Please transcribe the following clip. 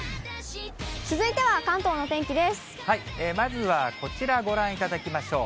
まずはこちらご覧いただきましょう。